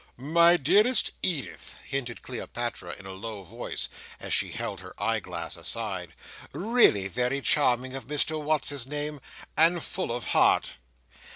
"My dearest Edith," hinted Cleopatra in a low voice, as she held her eye glass aside, "really very charming of Mr What's his name. And full of heart!"